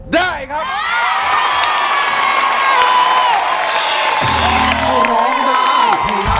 ได้ครับ